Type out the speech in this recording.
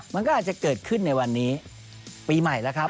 มันก็อาจจะเกิดขึ้นในวันนี้ปีใหม่แล้วครับ